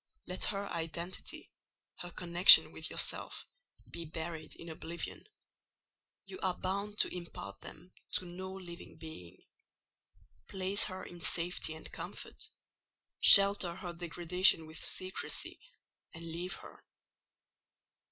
Let her identity, her connection with yourself, be buried in oblivion: you are bound to impart them to no living being. Place her in safety and comfort: shelter her degradation with secrecy, and leave her.